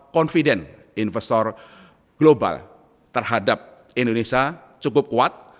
confident investor global terhadap indonesia cukup kuat